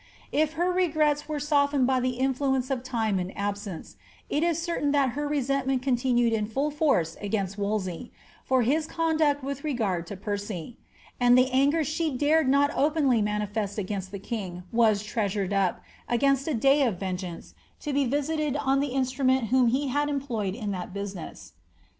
If her regrets were softened by the influence of time and ub •ence, it is certain that her resentment continued in fidl force against Wolsey, for his conduct with regard to Percy ; and the anger she dared not openly manifest against tlie king was treasured up, against a day of veageuice, to be visited on the instrument whom he h^ employed in thtt business.